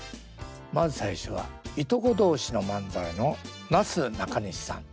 まず最初はいとこ同士の漫才のなすなかにしさん。